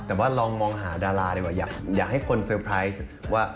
แต่ว่าลองมองหาดาราดีกว่าอยากให้คนเตอร์ไพรส์ว่า